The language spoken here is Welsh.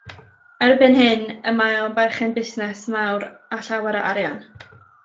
Erbyn hyn, y mae o yn berchen busnes mawr a llawer o arian.